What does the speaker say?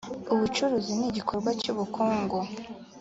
ubucuruzi nigikorwa cyubukungu.